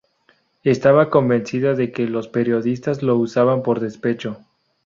Estaba convencida de que los periodistas lo usaban por despecho.